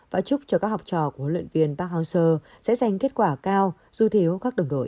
và chúc cho các học trò của luyện viên park hauser sẽ giành kết quả cao dù thiếu các đồng đội